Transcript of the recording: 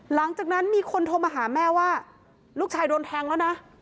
หลังจากนั้นมีคนโทรมาหาแม่ว่าลูกชายโดนแทงแล้วนะ